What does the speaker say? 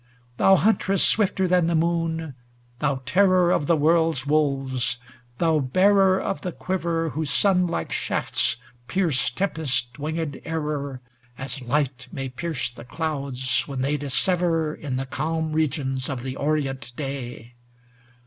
X Thou huntress swifter than the Moon I thou terror Of the world's wolves ! thou bearer of the quiver. Whose sun like shafts pierce tempest winged Error, As light may pierce the clouds when they dissever In the calm regions of the orient day